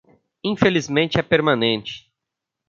Infelizmente é permanente.